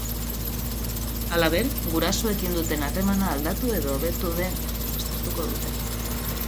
Halaber, gurasoekin duten harremana aldatu edo hobetu den aztertuko dute.